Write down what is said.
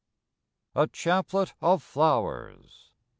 A CHAPLET OF FLOWERS.